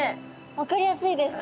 分かりやすいです